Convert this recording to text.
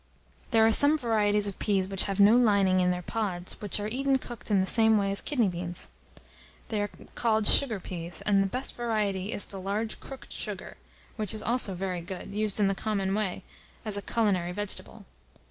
There are some varieties of peas which have no lining in their pods, which are eaten cooked in the same way as kidney beans. They are called sugar peas, and the best variety is the large crooked sugar, which is also very good, used in the common way, as a culinary vegetable.